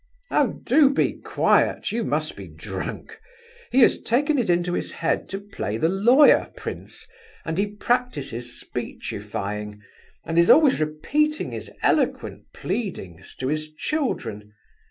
"Oh! do be quiet! You must be drunk! He has taken it into his head to play the lawyer, prince, and he practices speechifying, and is always repeating his eloquent pleadings to his children.